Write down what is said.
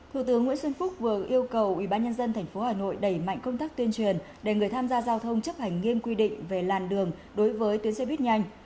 thủ tướng nguyễn xuân phúc vừa yêu cầu ủy ban nhân dân thành phố hà nội đẩy mạnh công tác tuyên truyền để người tham gia giao thông chấp hành nghiêm quy định về làn đường đối với tuyến xe buýt nhanh